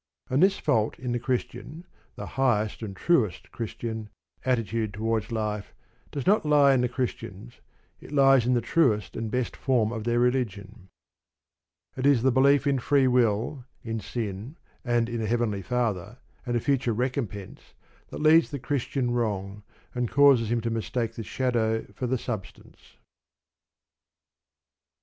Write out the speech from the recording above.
And this fault in the Christian the highest and truest Christian attitude towards life does not lie in the Christians: it lies in the truest and best form of their religion. It is the belief in Free Will, in Sin, and in a Heavenly Father, and a future recompense that leads the Christian wrong, and causes him to mistake the shadow for the substance.